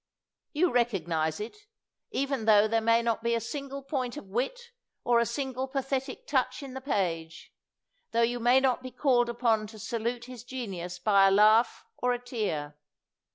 You recognize it, even tho there may not be a single point of wit, or a single pathetic touch in the page; tho you may not be called upon to salute his genius by a laugh or a tear.